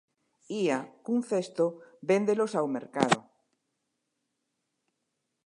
Ía cun cesto vendelos ao mercado.